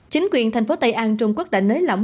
chính quyền tp tây an trung quốc đã nới lỏng